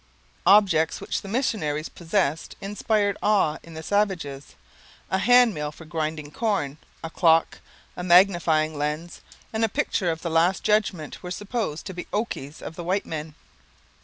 Objects which the missionaries possessed inspired awe in the savages; a handmill for grinding corn, a clock, a magnifying lens, and a picture of the Last Judgment were supposed to be okies of the white man.